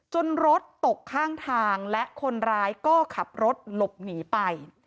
รถตกข้างทางและคนร้ายก็ขับรถหลบหนีไป